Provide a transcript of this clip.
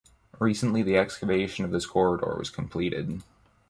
Recently, the excavation of this corridor was completed.